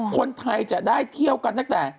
คนไทยจะได้เที่ยวกันตั้งแต่